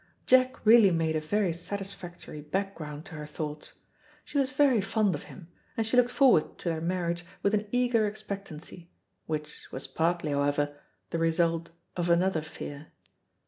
Jack really made a very satisfactory background to her thoughts. She was very fond of him, and she looked forward to their marriage with an eager expectancy, which, was partly, however, the result of another fear.